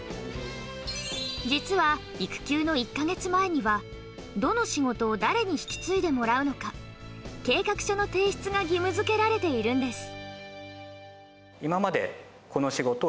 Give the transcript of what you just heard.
実は、育休の１か月前にはどの仕事を誰に引き継いでもらうのか計画書の提出が義務付けられているんです。